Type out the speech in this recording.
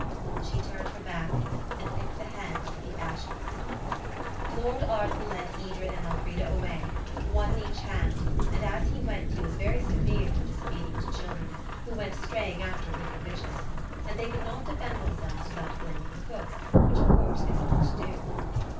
She turned her back, and picked the hen out of the ashes. Lord Arden led Edred and Elfrida away, one in each hand, and as he went he was very severe on disobedient children who went straying after wicked witches, and they could not defend themselves without blaming the cook, which, of course, they would not do.